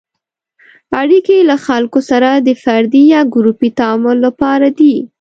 اړیکې له خلکو سره د فردي یا ګروپي تعامل لپاره دي.